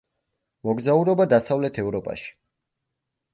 მოგზაურობა დასავლეთ ევროპაში.